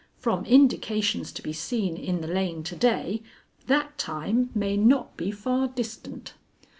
From indications to be seen in the lane to day, that time may not be far distant.